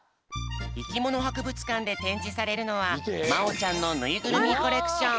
いきものはくぶつかんでてんじされるのはまおちゃんのぬいぐるみコレクション。